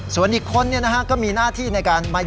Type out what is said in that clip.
ส่วนอีกคนก็มีหน้าที่ในการมา